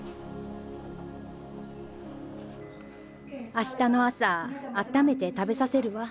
あしたの朝あっためて食べさせるわ。